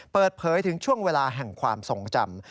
เปิดเผยถึงช่วงเวลาแห่งความทรงจำ